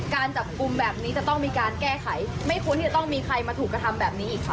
การจับกลุ่มแบบนี้จะต้องมีการแก้ไขไม่ควรที่จะต้องมีใครมาถูกกระทำแบบนี้อีกค่ะ